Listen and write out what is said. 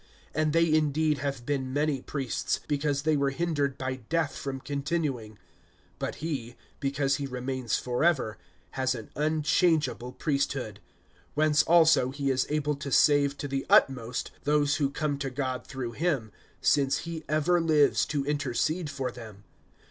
(23)And they indeed have been many priests, because they were hindered by death from continuing; (24)but he, because he remains forever, has an unchangeable priesthood. (25)Whence also he is able to save to the utmost those who come to God through him, since he ever lives to intercede for them.